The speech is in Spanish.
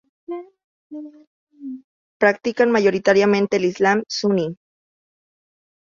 Practican mayoritariamente el islam suní.